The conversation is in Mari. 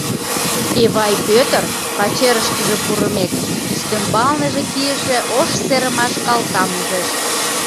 Эвай Пӧтыр, пачерышкыже пурымек, ӱстембалныже кийыше ош серымаш калтам ужеш.